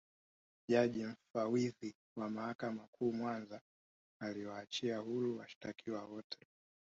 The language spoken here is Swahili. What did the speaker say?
Jaji Mfawidhi wa Mahakama Kuu Mwanza aliwaachilia huru washitakiwa wote